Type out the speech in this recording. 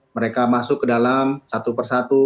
mereka masuk ke dalam satu persatu